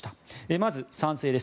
まず賛成です。